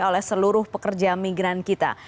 oleh seluruh pekerja migran kita